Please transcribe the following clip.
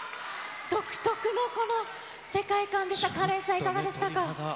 独特のこの世界観でした、カレンさん、いかがでしたか？